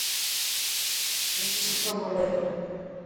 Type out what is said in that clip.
رشي سٺو ٻولي تو.